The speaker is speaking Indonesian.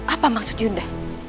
apa maksud yunda